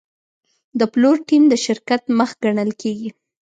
د پلور ټیم د شرکت مخ ګڼل کېږي.